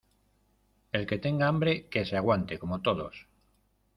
el que tenga hambre, que se aguante como todos.